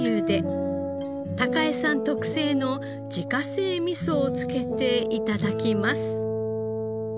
孝枝さん特製の自家製みそを付けて頂きます。